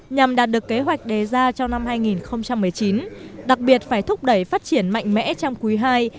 nhằm đạt được kế hoạch đề ra trong năm hai nghìn một mươi chín đặc biệt phải thúc đẩy phát triển mạnh mẽ trong quý ii